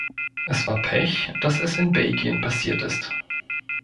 Es war Pech, dass es in Belgien passiert ist.